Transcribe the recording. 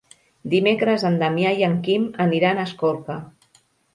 Dimecres en Damià i en Quim aniran a Escorca.